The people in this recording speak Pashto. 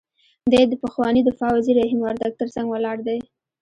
دی د پخواني دفاع وزیر رحیم وردګ تر څنګ ولاړ دی.